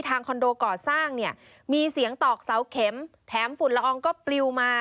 คอนโดก่อสร้างเนี่ยมีเสียงตอกเสาเข็มแถมฝุ่นละอองก็ปลิวมา